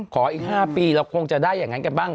อีก๕ปีเราคงจะได้อย่างนั้นกันบ้าง